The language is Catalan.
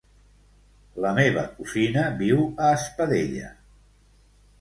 La meva cosina viu a Espadella.